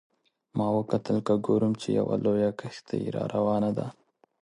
ما وکتل که ګورم چې یوه لویه کښتۍ را روانه ده.